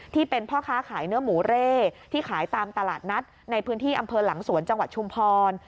ที่เป็นพ่อค้าขายเนื้อหมูเร่ที่ขายตามตลาดนัดในพื้นที่อำเภอหลังสวนจังหวัดชุมพร